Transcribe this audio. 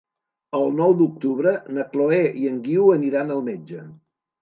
El nou d'octubre na Chloé i en Guiu aniran al metge.